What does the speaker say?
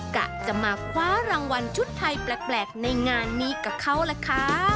กะจะมาคว้ารางวัลชุดไทยแปลกในงานนี้กับเขาล่ะค่ะ